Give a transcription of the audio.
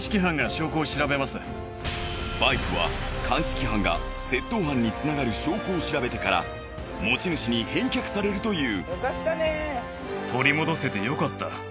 バイクは鑑識班が窃盗犯につながる証拠を調べてから持ち主に返却されるという。